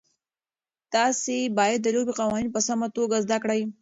تاسي باید د لوبې قوانین په سمه توګه زده کړئ.